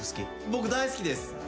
僕大好きです。